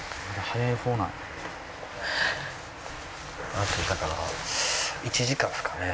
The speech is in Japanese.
あとだから１時間ですかね。